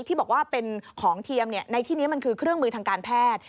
ที่บอกว่าเป็นของเทียมในที่นี้มันคือเครื่องมือทางการแพทย์